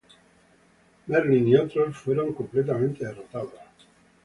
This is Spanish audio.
Merlyn y los otros fueron completamente derrotados.